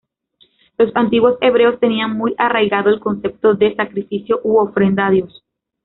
Los antiguos hebreos tenían muy arraigado el concepto de sacrificio u ofrenda a Dios.